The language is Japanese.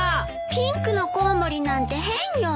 ピンクのコウモリなんて変よ。